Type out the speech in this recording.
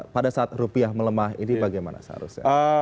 pada saat rupiah melemah ini bagaimana seharusnya